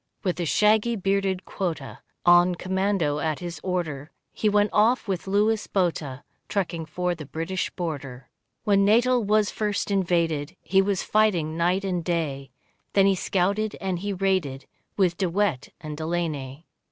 With a shaggy bearded quota On commando at his order, He went off with Louis Botha Trekking for the British border. When Natal was first invaded He was fighting night and day, Then he scouted and he raided, With De Wet and Delaney.